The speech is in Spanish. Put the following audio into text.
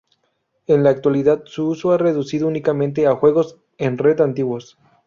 En la actualidad su uso se ha reducido únicamente a juegos en red antiguos.